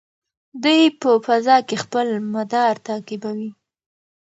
دوی په فضا کې خپل مدار تعقیبوي.